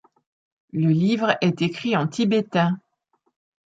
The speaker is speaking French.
Le livre est écrit en tibétain.